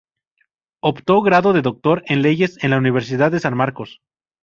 Optó grado de Doctor en Leyes en la Universidad de San Marcos.